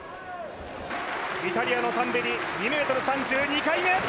イタリアのタンベリ２ｍ３０、２回目。